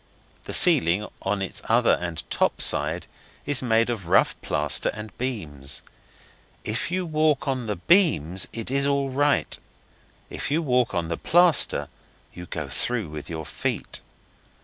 The ceiling, on its other and top side, is made of rough plaster and beams. If you walk on the beams it is all right if you walk on the plaster you go through with your feet.